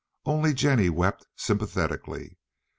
Only Jennie wept sympathetically.